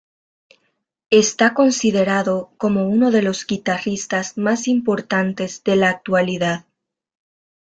Está considerado como uno de los guitarristas más importantes de la actualidad.